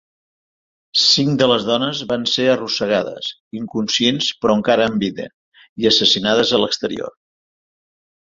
Cinc de les dones van ser arrossegades, inconscients però encara amb vida, i assassinades a l'exterior.